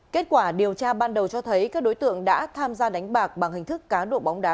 kết quả điều tra ban đầu cho thấy các đối tượng đã tham gia đánh bạc bằng hình thức cá độ bóng đá